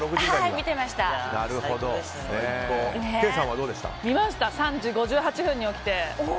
見ました、３時５８分に起きて。